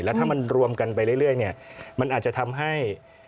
แล้วถ้ามันรวมกันไปเรื่อยเนี่ยมันอาจจะทำให้